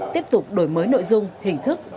tiếp tục đổi mới nội dung hình thức